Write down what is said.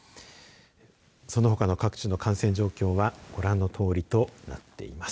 そのほかの各地の感染状況はご覧のとおりとなっています。